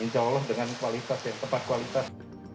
insya allah dengan kualitas ya tepat kualitas